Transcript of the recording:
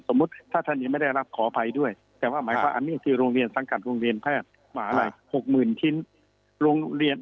ถ้าท่านยังไม่ได้รับขออภัยด้วยแต่ว่าหมายความอันนี้คือโรงเรียนสังกัดโรงเรียนแพทย์มหาลัย๖๐๐๐ชิ้นโรงเรียน